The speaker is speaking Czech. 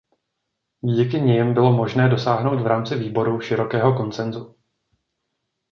Díky nim bylo možné dosáhnout v rámci výboru širokého konsensu.